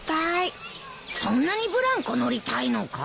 そんなにブランコ乗りたいのか？